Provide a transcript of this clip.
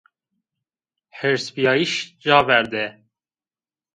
Hêrsbîyayîş ca verde!